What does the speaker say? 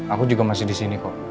aku juga masih di sini kok